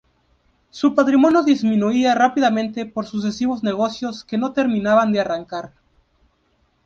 Su patrimonio disminuía rápidamente por sucesivos negocios que no terminaban de arrancar.